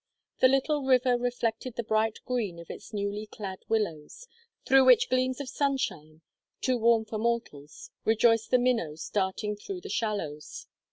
The little river reflected the bright green of its newly clad willows, through which gleams of sunshine, too warm for mortals, rejoiced the minnows darting through the shallows.